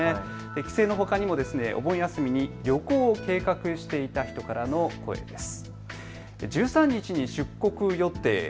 帰省のほかにもお盆休みに旅行を計画していた人からの声です。